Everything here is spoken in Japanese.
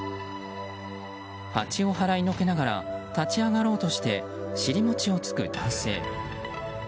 ハチを払いのけながら立ち上がろうとして尻もちをつく男性。